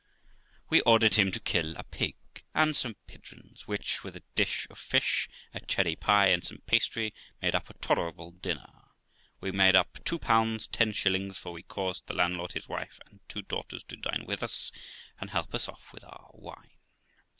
We ordered him to kill a pig and some pigeons, which, with a dish of fish, a cherry pie, and some pastry, made up a tolerable dinner, We made up two pounds ten shillings, for we caused the landlord, his wife, and two daughters, to dine with us, and help us off with our wine.